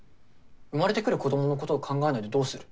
産まれてくる子どものことを考えないでどうする？